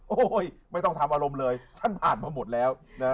โอ้โหไม่ต้องทำอารมณ์เลยฉันผ่านมาหมดแล้วนะ